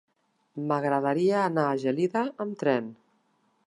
M'agradaria anar a Gelida amb tren.